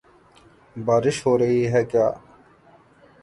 بارش ہو رہی ہے کیا؟